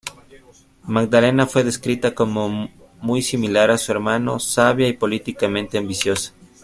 Magdalena fue descrita como muy similar a su hermano, sabia y políticamente ambiciosa.